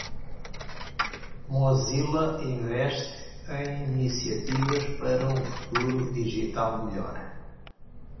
Mozilla investe em iniciativas para um futuro digital melhor.